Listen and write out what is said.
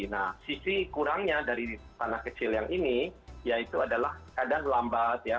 nah sisi kurangnya dari tanah kecil yang ini yaitu adalah kadang lambat ya